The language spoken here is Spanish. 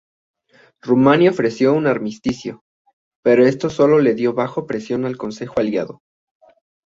Rumania ofreció un armisticio, pero esto solo se dio bajo presión del consejo aliado.